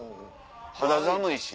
肌寒いし。